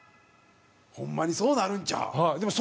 ホンマにそうなるんちゃう？